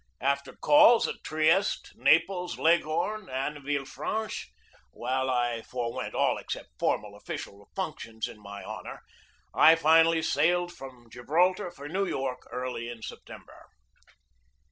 After calls at Trieste, Naples, Leghorn, and Villefranche, while I forewent all except formal official functions in my honor, I finally sailed from Gibraltar for New York early in September.